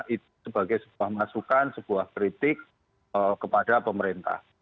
itu sebagai sebuah masukan sebuah kritik kepada pemerintah